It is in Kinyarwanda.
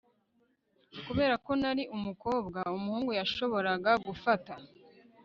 kubera ko nari umukobwa umuhungu yashoboraga gufata